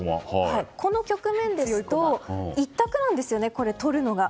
この局面ですと１択なんです、取るのが。